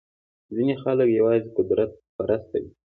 ځینې خلک یوازې قدرت پرسته دي.